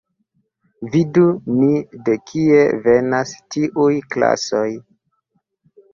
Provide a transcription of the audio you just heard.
Vidu ni, de kie venas tiuj klasoj.